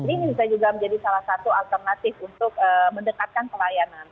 ini bisa juga menjadi salah satu alternatif untuk mendekatkan pelayanan